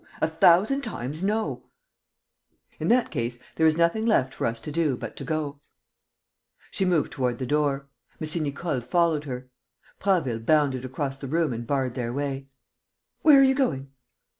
A thousand times no!" "In that case, there is nothing left for us to do but to go." She moved toward the door. M. Nicole followed her. Prasville bounded across the room and barred their way: "Where are you going?"